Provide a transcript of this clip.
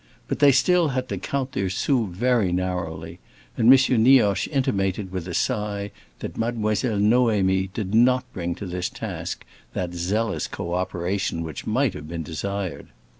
But they still had to count their sous very narrowly, and M. Nioche intimated with a sigh that Mademoiselle Noémie did not bring to this task that zealous cooperation which might have been desired.